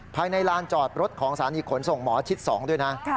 ภายในลานจอดรถของสถานีขนส่งหมอชิด๒ด้วยนะ